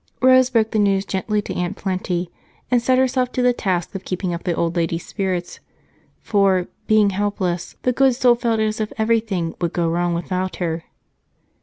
Rose broke the news gently to Aunt Plenty and set herself to the task of keeping up the old lady's spirits, for, being helpless, the good soul felt as if everything would go wrong without her.